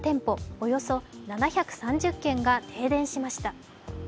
およそ７３０軒が停電しました。